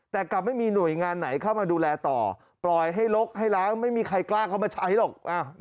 แต่กลับไม่มีหน่วยงานไหนเข้ามาดูแลต่อปล่อยให้ลกให้ล้างไม่มีใครกล้าเข้ามาใช้หรอก